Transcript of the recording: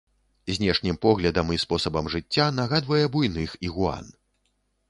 Знешнім выглядам і спосабам жыцця нагадвае буйных ігуан.